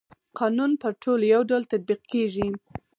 قانون پر ټولو يو ډول تطبيق کيږي.